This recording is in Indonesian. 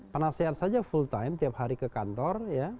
penasehat saja full time tiap hari ke kantor